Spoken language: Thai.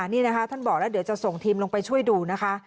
นี่นะคะท่านบอกแล้วเดี๋ยวจะส่งทีมลงไปช่วยดูนะคะ